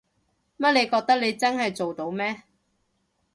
乜你覺得你真係做到咩？